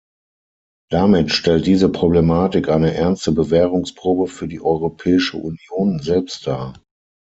Damit stellt diese Problematik eine ernste Bewährungsprobe für die Europäische Union selbst dar.